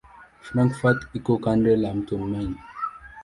Frankfurt iko kando la mto Main.